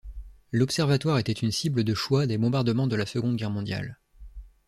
L'observatoire était une cible de choix des bombardements de la Seconde Guerre mondiale.